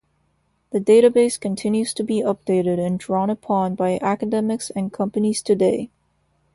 The database continues to be updated and drawn upon by academics and companies today.